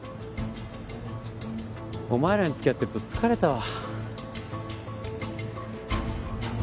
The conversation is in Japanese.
お前らに付き合ってると疲れたわ。